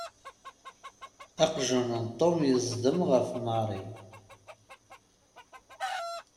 Aqjun n Tom yeẓḍem ɣef Mary.